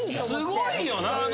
すごいよな。